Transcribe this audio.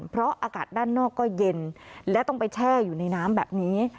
เพราะอากาศด้านนอกก็เย็นและต้องไปแช่อยู่ในน้ำแบบนี้